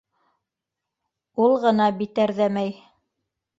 Ул ғына битәрҙәмәй.